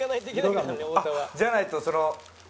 じゃないとその。